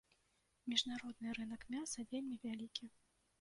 Міжнародны рынак мяса вельмі вялікі.